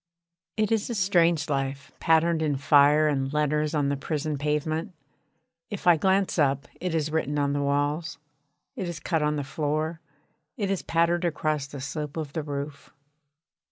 It is a strange life, patterned in fire and letters on the prison pavement. If I glance up it is written on the walls, it is cut on the floor, it is patterned across the slope of the roof.